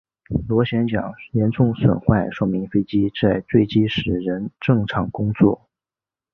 螺旋桨严重损坏说明飞机在坠机时仍正常工作。